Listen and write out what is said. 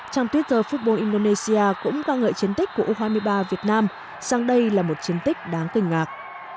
trang twitter fubbul indonesia cũng ca ngợi chiến tích của u hai mươi ba việt nam sang đây là một chiến tích đáng kinh ngạc